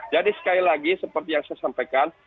jadi sekali lagi seperti yang saya sampaikan